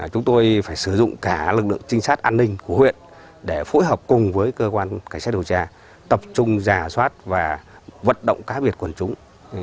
chúng tôi phải sử dụng cả lực lượng trinh sát an ninh của huyện để phối hợp cùng với cơ quan cảnh sát điều tra tập trung giả soát và vận động cá biệt quần chúng